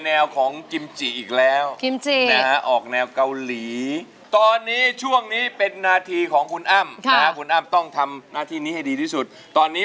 เดี๋ยวนะขอใกล้อีกนิดอันนี้ก็ยังไม่เห็น